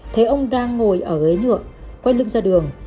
thấy ông đang ngồi ở ghế nhựa quay lưng ra đường